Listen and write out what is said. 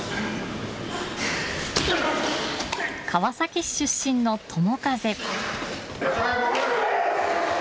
川崎市出身の友風。